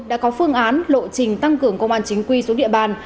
đã có phương án lộ trình tăng cường công an chính quy xuống địa bàn